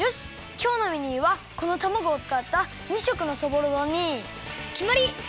きょうのメニューはこのたまごをつかった２色のそぼろ丼にきまり！